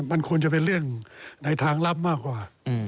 มันควรจะเป็นเรื่องในทางลับมากกว่า